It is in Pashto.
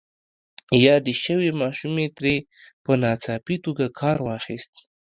يادې شوې ماشومې ترې په ناڅاپي توګه کار واخيست.